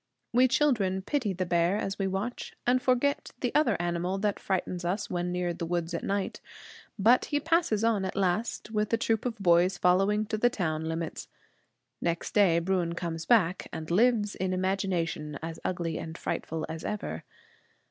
We children pity the bear, as we watch, and forget the other animal that frightens us when near the woods at night. But he passes on at last, with a troop of boys following to the town limits. Next day Bruin comes back, and lives in imagination as ugly and frightful as ever.